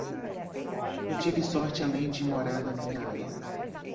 Eu tive sorte além de morar na minha área.